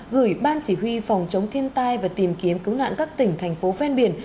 gửi ban chỉ huy phòng chống thiên tai và tìm kiếm cứu nạn các tỉnh thành phố ven biển